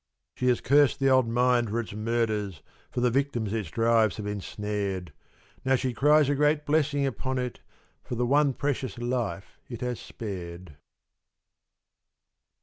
_She has cursed the old mine for its murders, for the victims its drives have ensnared, Now she cries a great blessing upon it for the one precious life it has spared.